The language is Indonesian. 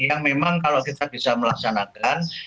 yang memang kalau kita bisa melaksanakan